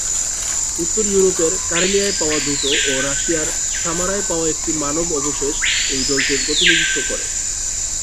উত্তর ইউরোপের কারেলিয়ায় পাওয়া দুটো ও রাশিয়ার সামারায় পাওয়া একটি মানব অবশেষ এই দলটির প্রতিনিধিত্ব করে।